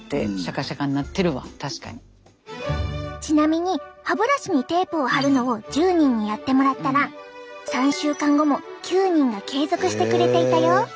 ちなみに歯ブラシにテープを貼るのを１０人にやってもらったら３週間後も９人が継続してくれていたよ。